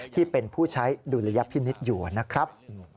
ที่เป็นผู้ใช้ดุลยพินิษฐ์อยู่นะครับ